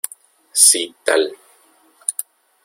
sí tal.